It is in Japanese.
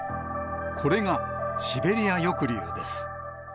これがシベリア抑留です。